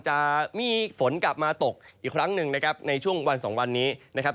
จะมีฝนกลับมาตกอีกครั้งหนึ่งนะครับในช่วงวันสองวันนี้นะครับ